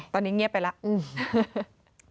ตอนนี้เงียบไปแล้ว